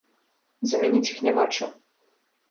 Замяніць іх няма чым.